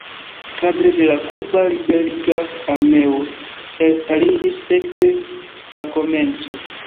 Kadre de la Kuba Liberiga Armeo elstariĝis ekde la komenco.